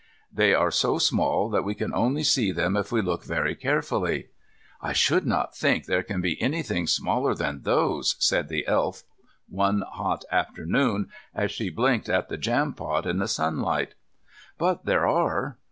They are so small that we can only see them if we look very carefully, "I should not think there can be any things smaller than those," said the Elf one hot afternoon as she blinked at the jampot in the sunlight. But there are.